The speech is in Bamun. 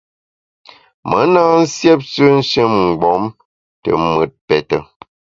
Me na nsiêpshe nshin-mgbom te mùt pète.